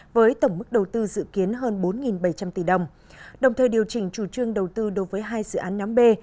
với tổng mức đầu tư dự kiến hơn bốn bảy trăm linh tỷ đồng đồng thời điều chỉnh chủ trương đầu tư đối với hai dự án nhóm b